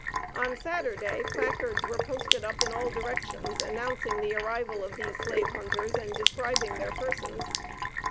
On Saturday placards were posted up in all directions, announcing the arrival of these slave hunters, and describing their persons.